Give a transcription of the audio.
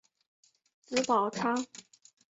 子宝昌。